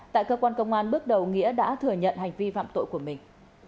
tại cơ quan công an bước đầu nghĩa đã thừa nhận hành vi phạm tội của mình